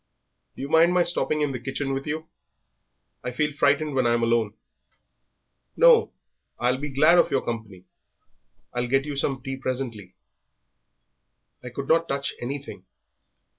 "Do you mind my stopping in the kitchen with you? I feel frightened when I'm alone." "No, I'll be glad of your company. I'll get you some tea presently." "I could not touch anything.